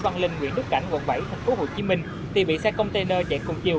văn linh nguyễn đức cảnh quận bảy thành phố hồ chí minh thì bị xe container chạy cùng chiều